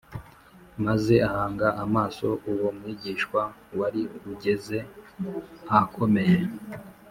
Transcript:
maze ahanga amaso uwo mwigishwa wari ugeze ahakomeye